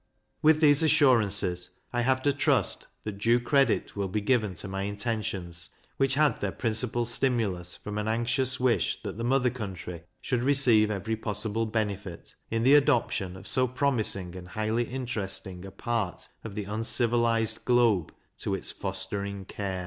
With these assurances, I have to trust that due credit will be given to my intentions, which had their principal stimulus from an anxious wish that the mother country should receive every possible benefit, in the adoption of so promising and highly interesting a part of the uncivilized globe to its fostering care.